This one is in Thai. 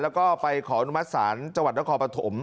แล้วก็ไปขออนุมัติศาลจังหวัดนครปฐม